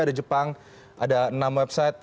ada jepang ada enam website